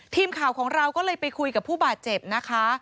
ทีมข่าวของเราก็เลยไปคุยกับผู้บาดเจ็บนะคะ